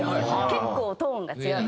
結構トーンが違う。